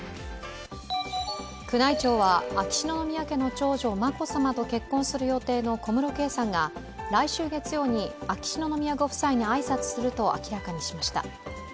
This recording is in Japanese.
宮内庁は秋篠宮家の長女・眞子さまと結婚する予定の小室圭さんが来週月曜日に秋篠宮ご夫妻に挨拶をすると明らかにしました。